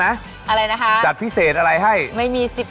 อะไรนะคะจัดพิเศษอะไรให้ไม่มี๑๐